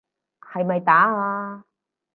係咪打啊？